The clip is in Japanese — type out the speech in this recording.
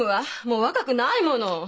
もう若くないもの！